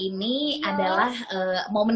ini adalah momen